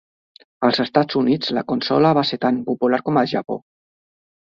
Als Estats Units la consola va ser tan popular com al Japó.